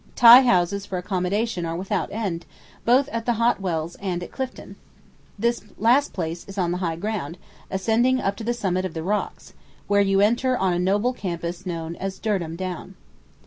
Tie houses for accommodation are without end, both at the Hot Wells and at Clifton. This last place is on the high ground, ascending up to the summit of the rocks, where you enter on a noble campus known as Durdham Down.